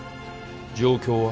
状況は？